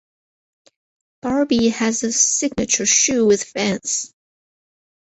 Barbee has a signature shoe with Vans.